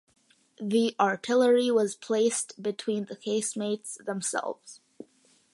The artillery was placed between the casemates themselves.